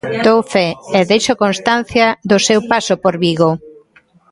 Dou fe e deixo constancia do seu paso por Vigo.